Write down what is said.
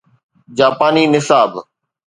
جاپاني نصاب